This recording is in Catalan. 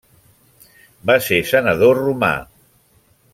Va ser senador romà.